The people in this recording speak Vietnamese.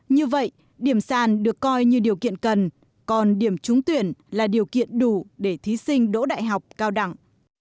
như vậy điểm sàn được coi như điều kiện cần còn điểm trúng tuyển là điều kiện đủ để thí sinh đỗ đại học cao đẳng